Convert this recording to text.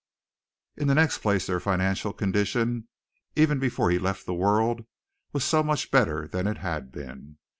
In the next place their financial condition, even before he left the World, was so much better than it had been.